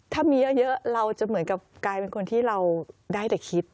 ถ้ามีเยอะเราจะเหมือนกับกลายเป็นคนที่เราได้แต่คิด